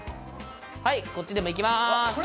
はいこっちでもいきます